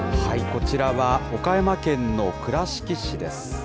こちらは岡山県の倉敷市です。